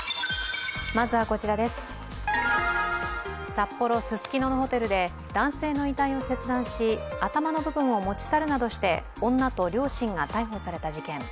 札幌・ススキノのホテルで男性の遺体を切断し頭の部分を持ち去るなどして女と両親が逮捕された事件。